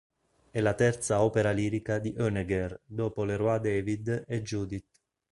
È la terza opera lirica di Honegger, dopo "Le Roi David" e "Judith".